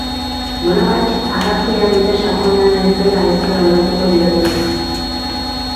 Nolabait, arrazoia dute sakonean ez dela ezer aldatuko diotenek.